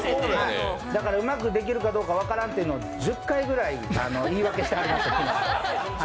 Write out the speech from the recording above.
だからうまくできるかどうか分からんってのを１０回くらい言い訳してはりました。